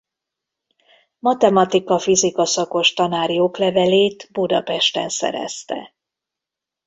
Matematika–fizika szakos tanári oklevelét Budapesten szerezte.